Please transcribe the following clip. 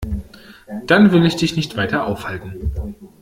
Dann will ich dich nicht weiter aufhalten.